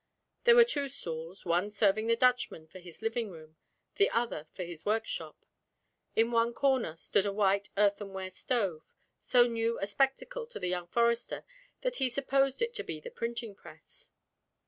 There were two stalls, one serving the Dutchman for his living room, the other for his workshop. In one corner stood a white earthenware stove—so new a spectacle to the young forester that he supposed it to be the printing press.